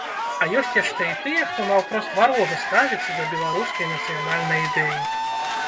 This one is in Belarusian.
А ёсць яшчэ і тыя, хто наўпрост варожа ставіцца да беларускай нацыянальнай ідэі.